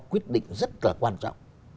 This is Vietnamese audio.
quyết định rất là quan trọng